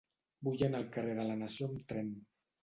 Vull anar al carrer de la Nació amb tren.